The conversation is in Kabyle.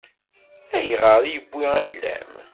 Ayɣer i yewwi ayla-m?